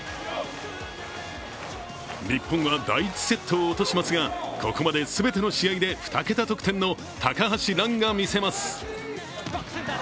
日本は第１セットを落としますがここまで全ての試合で２桁得点の高橋藍がみせます。